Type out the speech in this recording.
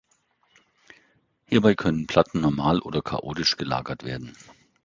Hierbei können Platten normal oder chaotisch gelagert werden.